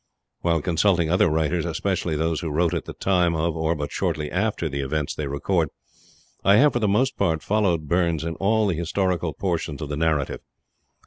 While consulting other writers, especially those who wrote at the time of or but shortly after the events they record, I have for the most part followed Burns in all the historical portions of the narrative.